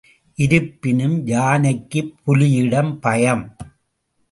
இருப்பினும், யானைக்கு புலியிடம் பயம்.